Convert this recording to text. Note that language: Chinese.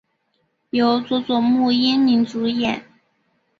由佐佐木英明主演。